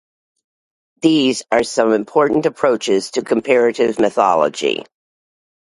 These are some important approaches to comparative mythology.